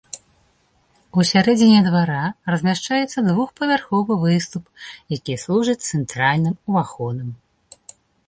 Усярэдзіне двара размяшчаецца двухпавярховы выступ, які служыць цэнтральным уваходам.